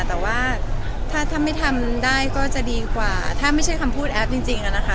แต่ว่าถ้าไม่ทำได้ก็จะดีกว่าถ้าไม่ใช่คำพูดแอฟจริงอะนะคะ